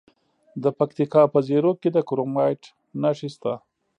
د پکتیکا په زیروک کې د کرومایټ نښې شته.